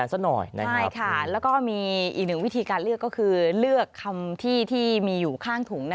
ใช่ค่ะแล้วก็มีอีกหนึ่งวิธีการเลือกก็คือเลือกคำที่ที่มีอยู่ข้างถุง